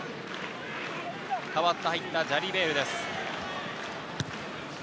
代わって入ったジャリベールです。